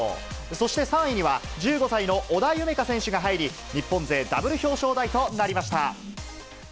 そして３位には、１５歳の織田夢海選手が入り、日本勢ダブル表彰台となりました。